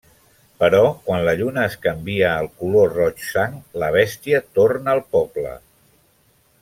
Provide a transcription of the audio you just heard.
Però, quan la lluna es canvia al color roig sang, la bèstia torna al poble.